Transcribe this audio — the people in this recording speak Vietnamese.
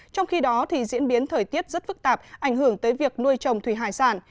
trong khi đó diễn biến thời tiết rất phức tạp ảnh hưởng tới việc nuôi trồng thủy hải sản